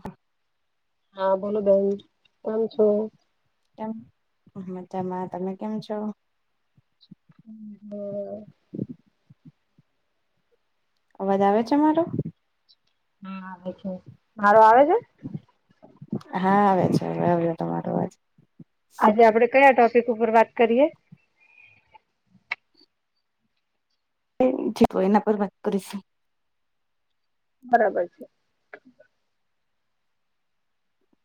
હમ હા બોલો બેન કેમ છો. [inaudible] મજામાં તમે કેમ છો હ હમ બરોબર અવાજ આવે છે મારો હા આવે છે, મારો આવે છે હા આવે છે આવ્યો તમારો અવાજ આજે આપણે કયા ટોપિક ઉપર વાત કરીએ જે ઠીક હોય એના પર વાત કરીશું. બરાબર છે.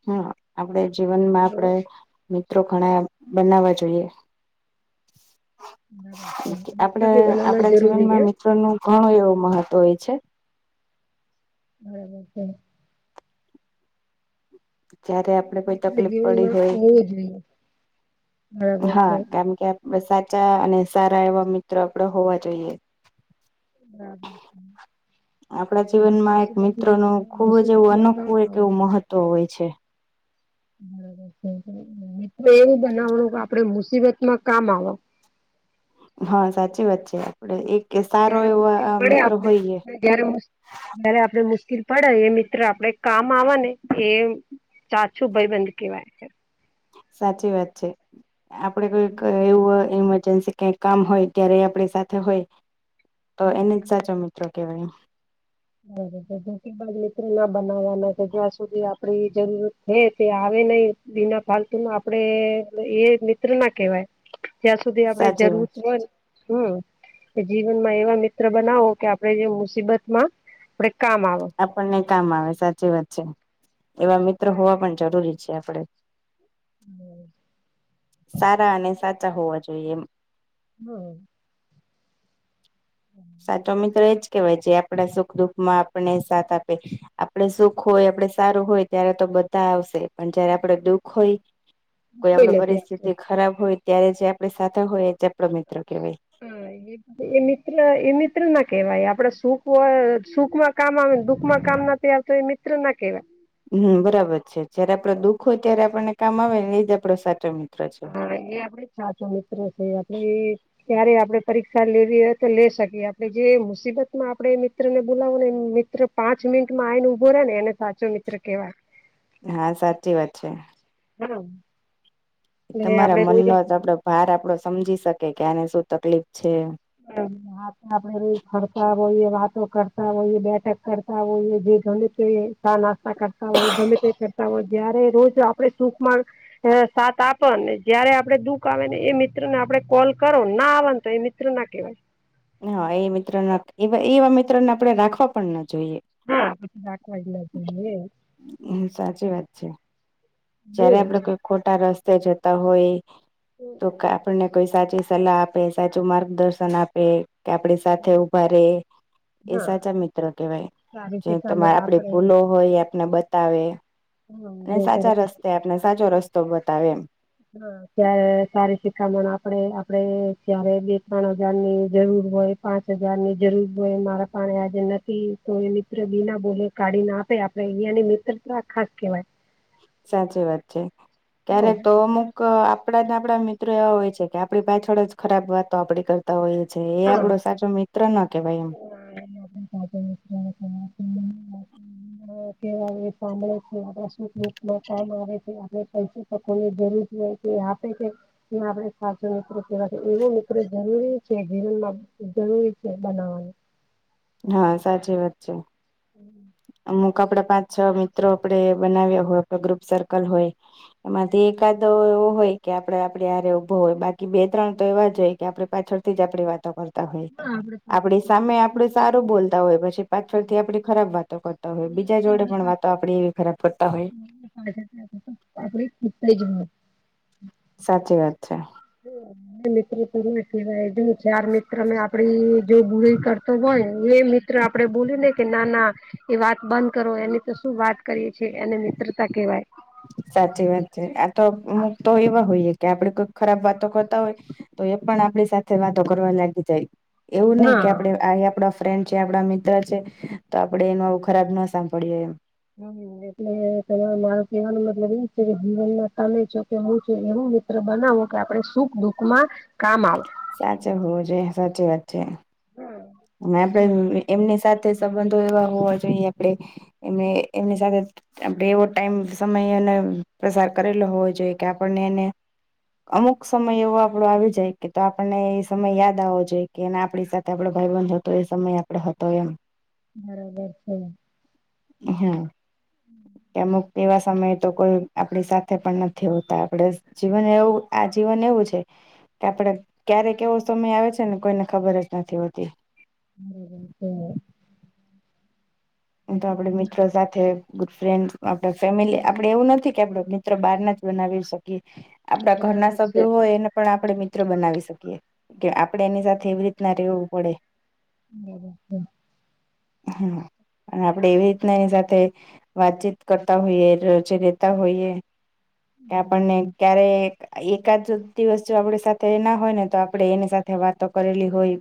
હા આપણે જીવનમાં ઘણા મિત્રો બનાવવા જોઈએ. બરાબર છે મિત્ર ભી બનાના આપણા જરૂરી હે જીવનમાં મિત્રો નું ઘણું એવું મહત્વ હોય છે. બરાબર છે. જયારે આપડે કોઈ મિત્ર તકલીફ પડી જીવનમાં હોય. હોવું જોઈએ બરાબર હા, છે કેમ કે સાચા અને સારા એવા મિત્રો આપડે હોવા જોઈએ. બરાબર. આપડા આપણે જીવનમાં એક મિત્ર મુસીબતમાં નું ખુબ જ એવું મુસીબતમાં કામ અનોખું એક આવે એવું મહત્વ હોય છે. બબર મિત્રો એવું બનાવણું કે, આપડે મુસીબત માં કામ આવે. હા, સાચી વાત છે, આપડે એક સારો જયારે એવો મુશ્કેલ પડે મિત્ર આપણે હોઈએ. આપણે જયારે જયારે આપણે મુશ્કેલ પડે, એ મિત્ર આપડે કામ આવવા ને એ. સાચું ભાઈબંધ કેવાય છે. સાચી છે, કોઈક હમ એવું એ કેમ કે કામ હોય ત્યારે આપણી સાથે હોય તો, હમ એને જ સાચો મિત્રો કેવાય એમ. હ [unintelligible] મિત્રો ના બનાવવાના છે, જ્યાં સુધી આપડી જરૂરત છે, તે આવે નહી. બના ફાલતુ નું આપડે એ મિત્ર ના કહેવાય. ત્યાં સુધી આપડે સાચી જરૂર વાત હોય. હમ, એ જીવનમાં એવા મિત્ર બનાવો કે, આપડે જે મુસીબતમાં આપડે કામ આવે. આપણને કામ આવે સાચી વાત છે. એવા મિત્રો હોવા પણ જરૂરી છે, આપડે હમ. સારા અને સાચા હોવા જોઈએ એમ. હમ. હમ. સાચો મિત્ર એજ કેવાય, જે આપડા સુખ દુઃખમાં આપણે સાથ આપે. આપણે સુખ હોય, આપડે સારું હોય, ત્યારે તો બધા આવશે પણ જયારે આપડે દુઃખ હોય, કોઈ આપડે નથી આપતું પરિસ્થિતિ ખરાબ હોય, ત્યારે જે આપડી સાથે હોય, એ જ આપડો મિત્ર કેવાય. હા એ એ મિત્ર એ મિત્ર ના કેવાય, આપડે સુખ સુખમાં કામ આવે, દુખમાં કામ ન તો એ મિત્ર ના કેવાય. હમ, બરાબર છે, જયારે આપડે દુઃખ હોય ત્, યારે આપણને કામ આવે ને, એ જ આપડો સાચો મિત્ર છે. હા, એ આપડે સાચો મિત્ર છે, આપડે એ ક્યારે આપડે પરીક્ષા લેવી હોય તો લે શકીએ, આપડે જે મુસીબતમાં આપડે મિત્ર ને બોલાવો ને. મિત્ર પાંચ મિનિટમાં આઇન ઉભો રેને, એને સાચો મિત્ર કેવાય. હા, સાચી વાત છે. હમ. તમારા મનનો જ આપડો ભાર આપડો સમજી શકે કે, આને શું તકલીફ છે. હમ. હા, આપણે રોજ ફરતા હોઈએ, વાતો કરતા હોઈએ, બેઠક કરતા હોઈએ જે ચા-નાસ્તા કરતા હોય, ગમે તે કરતા હોય, જયારે રોજ આપણે સુખમાં હ, સાત આપને જયારે આપડે દુઃખ આવે ને, એ મિત્ર ને આપડે કોલ કરો ને, આવને તો એ મિત્ર ના કેવાય. હા, એ મિત્ર એવા મિત્રોને આપણે રાખવા પણ ના જોઈએ. હા, રાખવા જેવા. હમ સાચી વાત છે. જયારે આપડે કોઈ ખોટા રસ્તે જતા હોય તો, આપણને કોઈ સાચી સલાહ આપે, સાચું માર્ગદર્શન આપે કે, આપડી સાથે ઉભા રે. એ હા સાચા મિત્ર કેવાય, સારી જે શિખામણ તમારે આપડી આપડે ભૂલો હોય એ, આપને બતાવે. હમ અને જે સાચા કરે રાસ્તે આપણે સાચો રસ્તો બતાવે એમ. [inaudible] ત્યારે સારી શિખામણ આપડે આપડે જયારે બે ત્રણ-હજારની જરૂર હોય પાંચ હજારની જરૂર હોય અન મારા પાણે આજે નથી તો એ મિત્ર [unintelligible] બોલે કાઢી ન આપે આપડે એની મિત્રતા ખાસ કેહવાય સાચી વાત છે. હા, ક્યારેક તો અમુક ક આપડા ને આપડા મિત્રો એવા હોય છે કે આપણી પાછળ જ ખરાબ વાતો આપડી કરતા હોઈએ. છે, એ આપડો સાચો મિત્ર ન કેવાય એમ. [inaudible] [unintelligible] સાંભળે છે આપડા સુખ દુઃખમાં કામ આવે છે આપણે [unintelligible] જરૂર હોય તે આપે છે. આપડે સાચો મિત્ર કેવાશે. એવો મિત્ર જરૂરી છે જીવનમાં જરૂરી છે બનાવાનું હા, સાચી વાત છે. [inaudible] અમુક આપડા પાંચ-છ મિત્રો આપડે બનાવ્યા હોય આપડા ગ્રુપ સર્કલ હોય એમાંથી એક આદો એવો હોય કે આપડે આપડી હારે ઊભો હોય બાકી બે-ત્રણ તો એવા જ હોય કે આપડે પાછળ થીજ આપડી વાતો કર હોય હા, આપણે આપડી સામે આપડુ સારું બોલતા હોય પછી પાછળથી આપડી ખરાબ વાત કરતા હોય બીજા જોડે આપણે પણ પાછળ વાતો આપણી ખરાબ કરતા હોય. [unintelligible] સાચી વાત છે. [unintelligible] ચાર મિત્ર મે આપડી જો એ બુરાઈ કરતો હોય એ મિત્ર આપડે બોલે ને કે ના ના એ વાત બંધ કરો એની તે શું વાત કરી છે એને મિત્રતા કેવાય. સાચી વાત ચે આ તો અમુક તો એવા હોઈએ કે આપડે કઈક ખરાબ વાતો કરતા હોય. તો એ પણ આપડી સાથે વાતો કરવા લાગી જાય એવું નઈ કે હા આપડે આય આપડા ફ્રેન્ડ છે આપણા મિત્ર છે તો આપડે એનુ આવુ ખરાબ ન સાંભળયે એમ હમ એટલે તમાર મારો કેવાનો મતલબ ઇછે જીવનમાં તમે છો કે હું છો એવું મિત્રો બનાવો કે આપણે સુખ દુઃખમાં કામ આવે. સાચે હોવો જોઈએ સાચી વાત છે. અને આપડે એમની સાથે સંબંધો એવા હોવા જોઈએ આપણે એને એમની સાથે આપડે એવો ટાઈમ સમય અને પ્રસાર કરેલો હોવો જોઈએ કે આપણને એને અમુક સમય એવો આપડો આવી જાય કે તો આપણને એ સમય યાદ આવવો જોઈ કે એને આપણી સાથે આપડો ભાઇબંધ હતો એ સમય આપણો હતો એમ બરાબર છે. હ અમુક તેવા સમયે તો કોઈ આપણી સાથે પણ નથી હોતા આપણે જીવન એવું આ જીવન એવું છે કે આપળે ક્યારેક એવો સમય આવે છે ને કોઈને ખબર જ નથી હોતી. [unintelligible] એમતો આપડે મિત્રો સાથે ગુડ ફ્રેન્ડસ આપણે ફેમિલી આપડે એવું નથી કે આપડે મિત્ર બાર નાજ બનાવીશુ આપડા ઘરના છે સભ્યો હોય એને પણ આપણે મિત્રો બનાવી શકીએ કે આપણે એની સાથે એવી રીતના રેવું પડે. બરાબર. હમ. અને આપડે એવી રીતના એની સાથે વાતચીત કરતા હોઈએ રોજે રેતા હોઈએ કે આપણને ક્યારેક એકાદ દિવસ જો આપડી સાથે એ ના હોય ને તો આપડે એની સાથે વાતો કરેલી હોય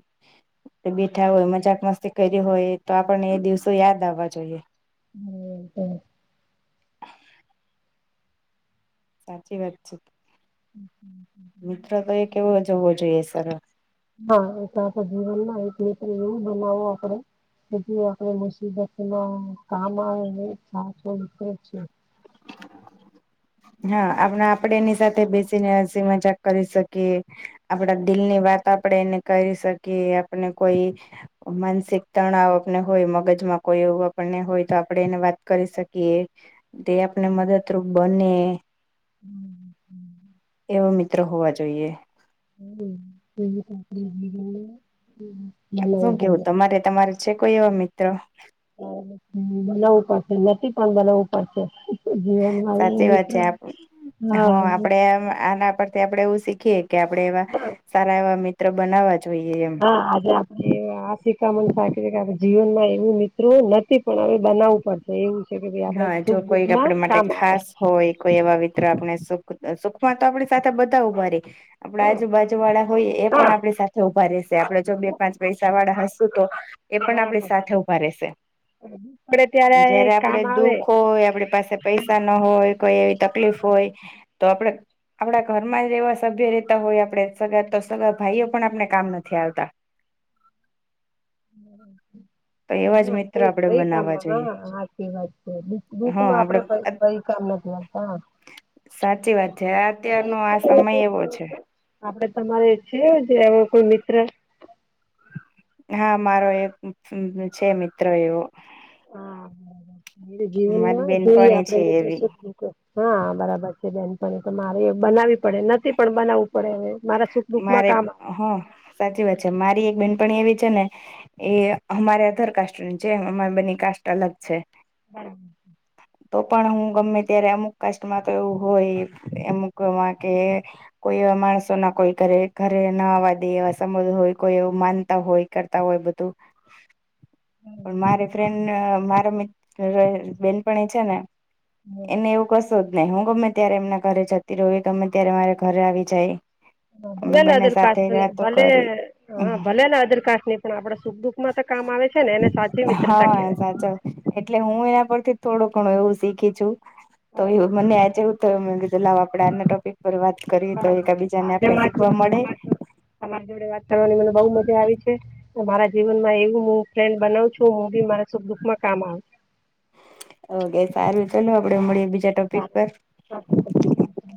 બેઠા હોય મજાક મસ્તી કયરી હોય, તો આપણને એ દિવસો યાદ આવવા જોઈએ. [unintelligible] સાચી વાત છે. મિત્રો તો એક એવો જ હોવો જોઈએ સરળ. [unintelligible] એવું બનાવો આપડે. [unintelligible] મુસીબતમાં કામ આવે ને [unintelligible] હા આપણા આપડે એની સાથે બેસીને હસી મજાક કરી શકીએ આપડા દિલની વાત આપણેે એને કરી શકીએ, આપણને કોઈ માનસિક તણાવ આપને હોય મગજમાં કોઈ એવું આપણને હોય તો આપણે એને વાત કરી શકીએ. તે આપને મદદ રુપ બને હમ, હમ. એવો મિત્ર હોવા જોઈએ. શું કેવું [unintelligible] તમારે તમારે છે કોઈ એવા મિત્ર? બનાવવું પડશે નતી પણ બનાવવું પડશે. જીવનમાં એવી મિત્ર હા હં આપડે આમ આના પરથી આપડે એવું શીખીએે કે આપડે એવા સારા એવા મિત્ર બનાવા જોઈએ. એમ આજે આપણે આ શિખામણ કે આપણે જીવનમાં એવું મિત્ર નથી પણ હવે બનાવું પડ એવું છે કે ભઈ આપડે હા જો સુખ કોઈ દુઃખમાં આપણા માટે કામ આવે. ખાસ હોય કોઈ એવા મિત્ર આપણે સુખ સુખમાં તો આપણી સાથે બધા ઉભા રે આપણા આજુબાજુવાળા હોય એ પણ હા આપણી સાથે ઊભા રહેશે આપડે જો બે પાંચ પૈસાવાળા હશું તો, એ પણ બરાબર આપણી છે. સાથે ઉભા રહેશે, પડે ત્યારે જયારે કામ આપડે આવે દુઃખ હોય આપડી પાસે પૈસા ના હોય, કોઈ એવી તકલીફ હોય તો આપડે આપણા ઘરમાં જ એવા સભ્ય રેતા હોય આપડે સગા તો સગા ભાઈઓ પણ આપણે કામ નથી આવતા. [inaudible] તો એવા હા જ મિત્ર કોઈ આપડે ભાઈ બનાવવા કામમાં જોઈએ હા હાચી વાત છેને દુઃખમાં આપડે [unintelligible] ભઈ કામ નથી લાગતા. સાચી વાત છે અત્યારનો આ સમય એવો છે. આપડે તમારે છે જે એવો કોઈ મિત્ર? હા મારો એક છે મિત્ર એવો. હા, મારી જીવનમાં જોઈએ બેનપણી આપડે છે મિત્ર એવી સુખ દુઃખ હા, બરાબર છે બેન પણ. પરંતુ, મારે બનાવવી પડે નથી પણ બનાવવું પડે અવે. મારે મારે હ સાચી વાત છે. મારી એક બેનપણી એવી છે ને, એ અમારે અધર કાસ્ટની જે અમાર બેની કાસ્ટ અલગ છે. હા, [inaudible] તો પણ હું ગમે ત્યારે અમુક કાસ્ટમાં તો એવું હોય અમુકમાં કે, કોઈ એવા માણસો ના કોઈ કરે ઘરે, ઘરે ના આવા દે, એવા સંબધ હોય, કોઈ એવું માનતા હોય. કરતા હોય બધું. પણ મારી ફ્રેન્ડ ને મારા મિત્ર બેનપણી છે ને હમ એને એવું કશું જ નહી. હું ગમે ત્યારે એમના ઘરે જતી રહું, એ ગમે ત્યારે મારે ઘરે આવી જાય. હ ભલે અમે ન બંને અધર સાથે કાસ્ટ ન વાતો ભલે કરી હા ભલેને અદર કાસની પણ આપડે સુખ-દુખમાં તો કામ આવે છે ને, એને સાચી મિત્રતા હા કેહેવાય. સાચો એટલે હું એના પરથી થોડો ઘણો એવું શીખી છું તો બરાબર એવું છે મને આચ, તો આપે આના ટોપિક પર વાત કરીએ તો એક બરાબર છે બીજાને આજે આપણે મારી શીખવા મળે. તમારી જોડે તમારી જોડે વાત કરવાની મને બહુ મજા આવી છે મારા જીવન માં એવું હું, ફ્રેન્ડ બનાવ છું હું બી મારા સુખ દુઃખમાં કામ આવ, ઓકે સારું ચાલ આપડે મળીએ બીજા ટોપિક સારું પર, સારું, જય શ્રી કૃષ્ણ.